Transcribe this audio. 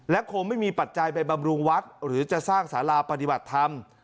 คงไม่มีปัจจัยไปบำรุงวัดหรือจะสร้างสาราปฏิบัติธรรม